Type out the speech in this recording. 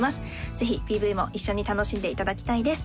ぜひＰＶも一緒に楽しんでいただきたいです